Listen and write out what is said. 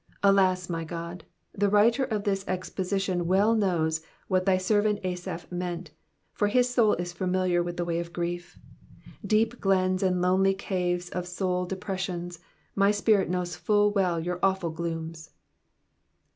Alas, my God, the writer of this exposition well knows what thy servant Asaph meant, for his soul is familiar with the way of grief. Deep glens and lonely caves of soul depressions, my spirit knows full well your awful glooms!